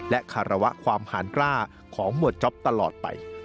และคารวะความหารกล้าของหมวดจ๊อปตลอดไป